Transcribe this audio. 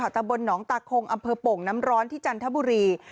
ตำบลหนองตาคงอำเภอโป่งน้ำร้อนที่จันทบุรี